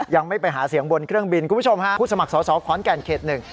ยังไม่ไปหาเสียงบนเครื่องบินคุณผู้ชมฮะผู้สมัครสอสอขอนแก่นเขตหนึ่ง